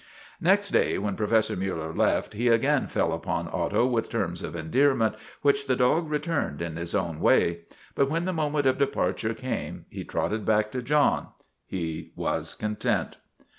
Next day, when Professor Miiller left, he again fell upon Otto with terms of endearment, which the dog returned in his own way, but when the moment of departure came he trotted back to John; he was content.